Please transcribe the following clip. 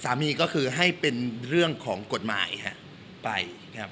สามีก็คือให้เป็นเรื่องของกฎหมายไปนะครับ